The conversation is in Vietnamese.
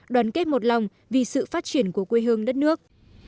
đoàn kết một lòng vì sự phát triển của quê hương đất nước